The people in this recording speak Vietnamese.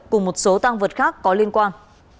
cùng một số tăng vật khác có liên quan